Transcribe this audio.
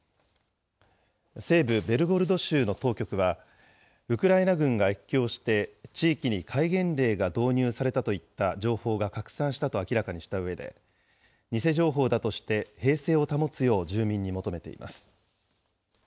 西部ベルゴロド州の当局は、ウクライナ軍が越境して地域に戒厳令が導入されたといった情報が拡散したと明らかにしたうえで、偽情報だとして平静を保つよう住民に求めています。